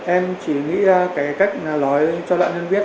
em chỉ nghĩ ra cách nói cho nạn nhân biết